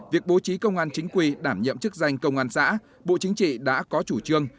việc bố trí công an chính quy đảm nhiệm chức danh công an xã bộ chính trị đã có chủ trương